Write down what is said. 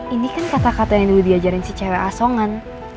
ini kan kata kata yang dulu diajarin si cewek asongan